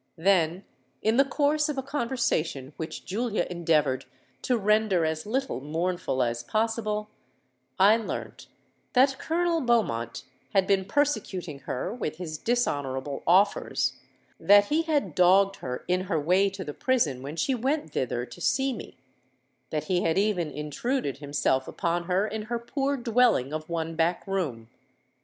Then, in the course of a conversation which Julia endeavoured to render as little mournful as possible, I learnt that Colonel Beaumont had been persecuting her with his dishonourable offers,—that he had dogged her in her way to the prison when she went thither to see me,—that he had even intruded himself upon her in her poor dwelling of one back room!